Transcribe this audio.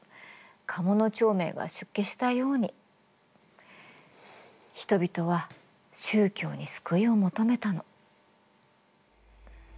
鴨長明が出家したように人々は宗教に救いを求めたの。